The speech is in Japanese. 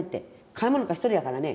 買い物なんか一人やからね。